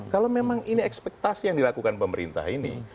kalau memang ini ekspektasi yang dilakukan pemerintah ini